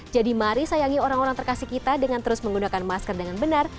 jadi mari sayangi orang orang terkasih kita dengan terus menggunakan masker dengan benar